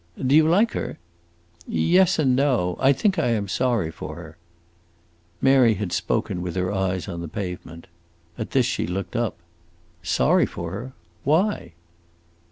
"Do you like her?" "Yes and no. I think I am sorry for her." Mary had spoken with her eyes on the pavement. At this she looked up. "Sorry for her? Why?"